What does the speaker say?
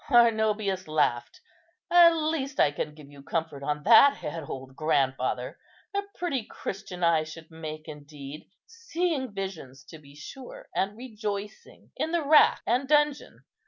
Arnobius laughed. "At least I can give you comfort on that head, old grandfather. A pretty Christian I should make, indeed! seeing visions, to be sure, and rejoicing in the rack and dungeon!